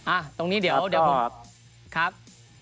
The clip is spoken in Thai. อ่ะตรงนี้เดี๋ยวครับ